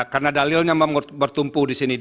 karena dalilnya bertumpu di sini